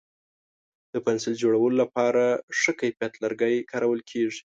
د پنسل جوړولو لپاره ښه کیفیت لرګی کارول کېږي.